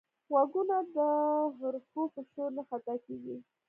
غوږونه د حرفو په شور نه خطا کېږي